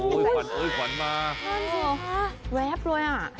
โอ๊ยเว็บเลยอ่ะ